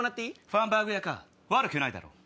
ファンバーグ屋悪くないだろう。